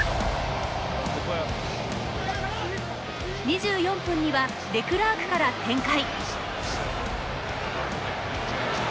２４分にはデクラークから展開。